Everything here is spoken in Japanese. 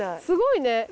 すごいね。